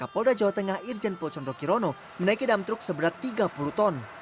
kapolda jawa tengah irjen pocondo kirono menaiki dam truk seberat tiga puluh ton